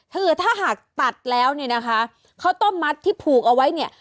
คือถ้าหากตัดแล้วเนี่ยนะคะข้าวต้มมัดที่ผูกเอาไว้เนี่ย